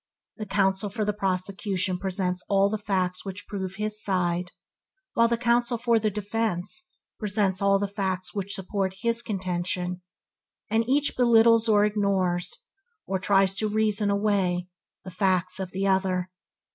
The counsel for the prosecution presents all the facts which prove his side, while counsel for the defense presents all the facts which support his contention, and each belittles or ignores, or tries to reason away, the facts of the other.